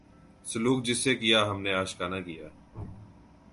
سلوک جس سے کیا ہم نے عاشقانہ کیا